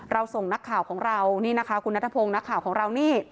ส่งนักข่าวของเรานี่นะคะคุณนัทพงศ์นักข่าวของเรานี่